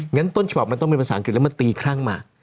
งั้นต้นฉบับมันต้องเป็นภาษาอังกฤษแล้วมันตีคลั่งมา